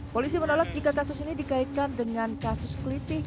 polisi menolak jika kasus ini dikaitkan dengan kasus kritik